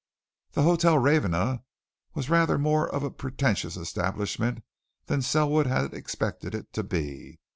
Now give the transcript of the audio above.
The Hotel Ravenna was rather more of a pretentious establishment than Selwood had expected it to be.